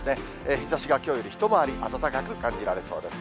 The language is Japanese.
日ざしがきょうより一回り暖かく感じられそうです。